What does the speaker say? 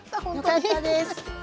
よかったです！